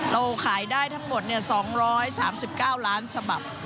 เราขายได้ทั้งหมด๒๓๙ล้านฉบับ